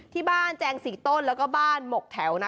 ที่บ้านแจงกัน๔สิบต้นและบ้านหมกแถว